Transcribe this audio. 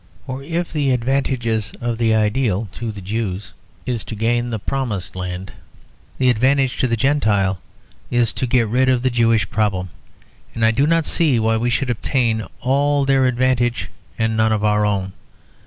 For if the advantage of the ideal to the Jews is to gain the promised land, the advantage to the Gentiles is to get rid of the Jewish problem, and I do not see why we should obtain all their advantage and none of our own.